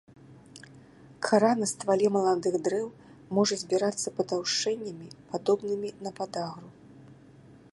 Кара на ствале маладых дрэў можа збірацца патаўшчэннямі, падобнымі на падагру.